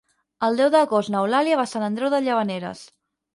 El deu d'agost n'Eulàlia va a Sant Andreu de Llavaneres.